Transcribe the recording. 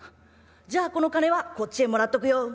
じゃあこの金はこっちへもらっとくよ」。